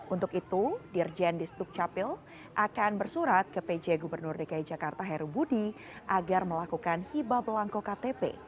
untuk itu dirjen di sdukcapil akan bersurat ke pj gubernur dki jakarta heru budi agar melakukan hibah belangko ktp